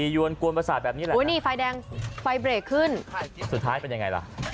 ยวนกวนประสาทแบบนี้แหละโอ้นี่ไฟแดงไฟเบรกขึ้นสุดท้ายเป็นยังไงล่ะ